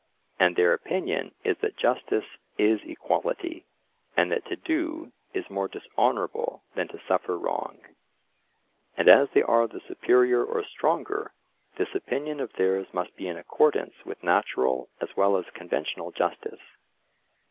And their opinion is that justice is equality, and that to do is more dishonourable than to suffer wrong. And as they are the superior or stronger, this opinion of theirs must be in accordance with natural as well as conventional justice.